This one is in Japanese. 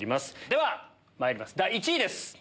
ではまいります第１位です。